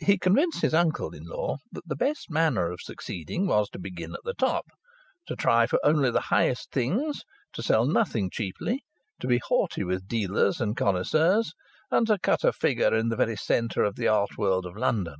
He convinced his uncle in law that the best manner of succeeding was to begin at the top, to try for only the highest things, to sell nothing cheaply, to be haughty with dealers and connoisseurs, and to cut a figure in the very centre of the art world of London.